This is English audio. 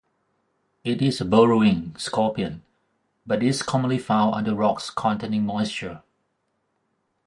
It is a burrowing scorpion, but is commonly found under rocks containing moisture.